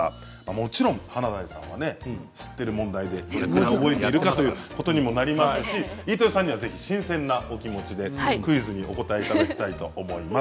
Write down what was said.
もちろん華大さんは知ってる問題でどれくらい覚えているかということにもなりますし飯豊さんには是非新鮮なお気持ちでクイズにお答えいただきたいと思います。